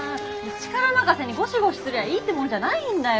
力任せにゴシゴシすりゃいいってもんじゃないんだよ。